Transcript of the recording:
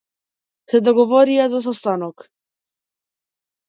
Се договорија за состанок.